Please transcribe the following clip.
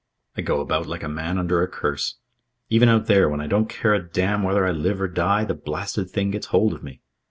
I go about like a man under a curse. Even out there, when I don't care a damn whether I live or die, the blasted thing gets hold of me."